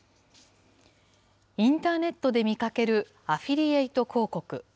インターネットで見かけるアフィリエイト広告。